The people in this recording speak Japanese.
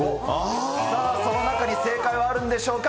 その中に正解はあるんでしょうか。